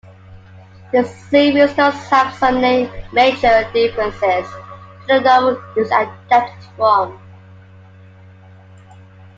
The series does have some major differences to the novel it was adapted from.